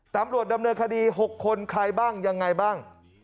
ตำรวจดำเนินคดี๖คนใครบ้างยังไงบ้าง